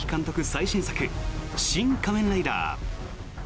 最新作「シン・仮面ライダー」。